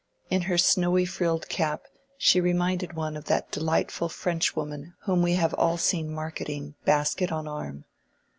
In her snowy frilled cap she reminded one of that delightful Frenchwoman whom we have all seen marketing, basket on arm.